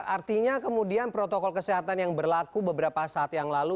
artinya kemudian protokol kesehatan yang berlaku beberapa saat yang lalu